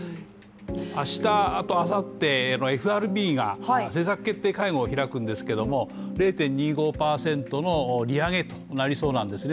明日とあさって、ＦＲＢが政策決定会合を開くんですけれども、０．２５％の利上げとなりそうなんですね。